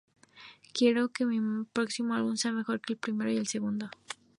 Quiero que mi próximo álbum sea mejor que el primero y el segundo.